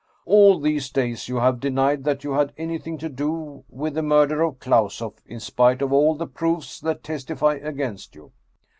All these days you have denied that you had anything to do with the murder of Klausoff, in spite of all the proofs that testify against you.